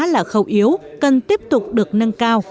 là khẩu yếu cần tiếp tục được nâng cao